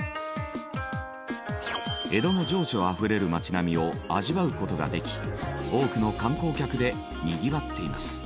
江戸の情緒あふれる町並みを味わう事ができ多くの観光客でにぎわっています。